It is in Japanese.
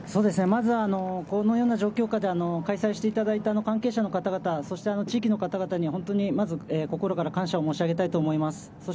まずはこのような状況下で開催していただいた関係者の方々、地域の方々に本当に心から感謝を申し上げたいと思います。